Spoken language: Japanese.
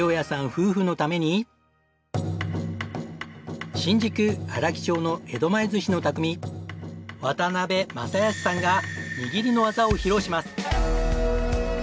夫婦のために新宿荒木町の江戸前寿司の匠渡邉匡康さんが握りの技を披露します。